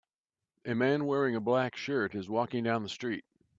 A man wearing a black shirt is walking down the street.